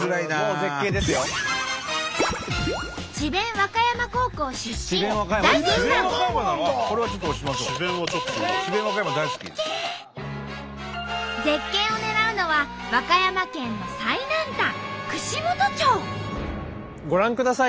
絶景を狙うのは和歌山県の最南端ご覧ください。